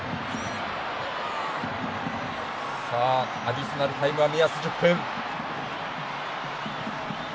アディショナルタイムは目安１０分。